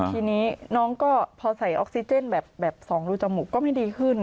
ทีนี้น้องก็พอใส่ออกซิเจนแบบ๒รูจมูกก็ไม่ดีขึ้น